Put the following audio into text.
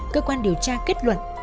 cơ quan điều tra kết luận